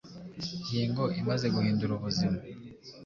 yingo imaze guhindura ubuzima